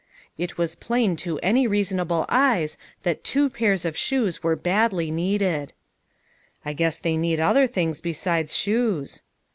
It was plain to any reasonable eyes that two pairs of shoes were badly needed. " I guess they need other things besides shoes."